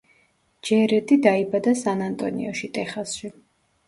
ჯერედი დაიბადა სან-ანტონიოში, ტეხასში.